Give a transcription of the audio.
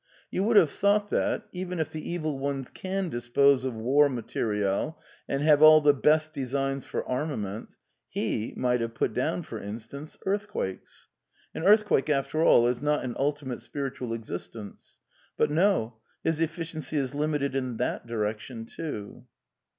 You would have thought, that (even if the Evil Ones can dispose of war material, and have all the best designs for armaments) He might have put down, for instance, earthquakes. An earth quake, after all, is not an ultimate spiritual existence. But no, his eflBciency is limited in that direction, too.